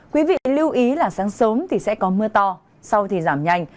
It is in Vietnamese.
quý vị lưu ý là sáng sớm thì sẽ có mưa to sau thì giảm nhanh